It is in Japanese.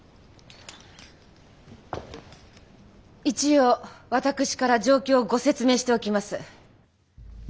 一応私から状況をご説明しておきます。